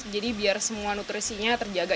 jadi biar semua nutrisinya terjaga